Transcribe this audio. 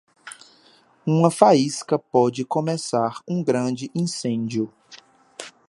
Uma faísca pode começar um grande incêndio.